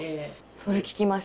それ聞きました。